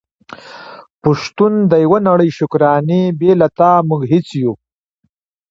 په شتون د يوه نړی شکرانې بې له تا موږ هيڅ يو ❤️